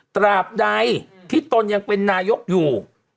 ตราบใดที่ตนยังเป็นนายกอยู่